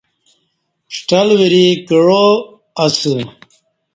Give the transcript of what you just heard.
ݜٹل وری کعا اسہ